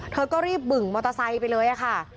เธอก็รีบบึ่งมอเตอร์ไซค์ไปเลยค่ะ